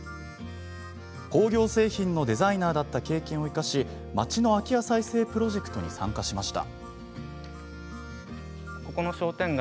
工業製品のデザイナーだった経験を生かし町の空き家再生プロジェクトに参加しました。